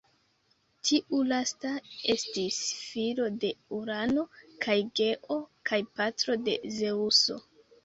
Tiu lasta estis filo de Urano kaj Geo, kaj patro de Zeŭso.